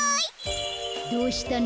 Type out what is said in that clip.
どうしたの？